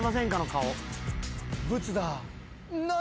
顔。